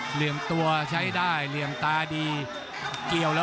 ภูตวรรณสิทธิ์บุญมีน้ำเงิน